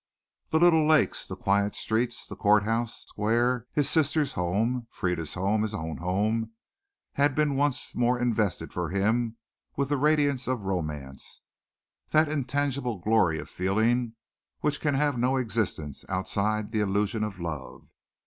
The little lakes, the quiet streets, the court house square, his sister's home, Frieda's home, his own home, had been once more invested for him with the radiance of romance that intangible glory of feeling which can have no existence outside the illusion of love.